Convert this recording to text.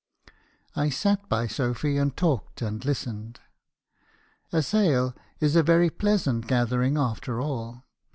I sat by Sophy , and talked and listened. A sale is a very pleasant gathering after all.